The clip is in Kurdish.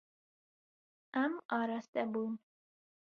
Em araste bûn.